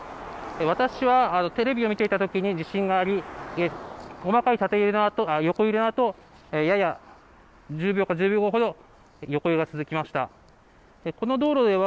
私はテレビを見ていたときに地震があり細かい横揺れのあとやや１０秒ほど横揺れが続きました。